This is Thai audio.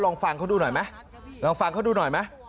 ลองฟังเขาดูหน่อยไหม